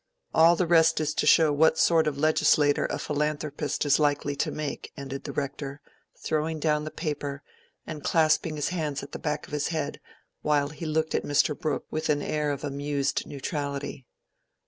All the rest is to show what sort of legislator a philanthropist is likely to make," ended the Rector, throwing down the paper, and clasping his hands at the back of his head, while he looked at Mr. Brooke with an air of amused neutrality.